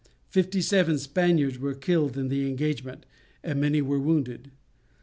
Fifty seven Spaniards were killed in the engagement, and many were wounded.